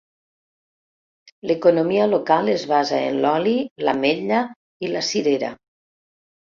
L'economia local es basa en l'oli, l'ametla i la cirera.